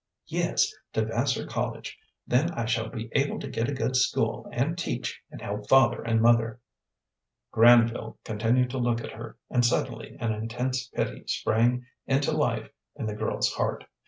"Yes, to Vassar College. Then I shall be able to get a good school, and teach, and help father and mother." Granville continued to look at her, and suddenly an intense pity sprang into life in the girl's heart.